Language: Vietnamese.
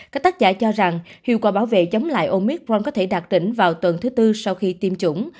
các tác giả cho rằng hiệu quả bảo vệ chống lại omicron có thể đạt tỉnh vào tuần thứ tư sau khi tiêm chủng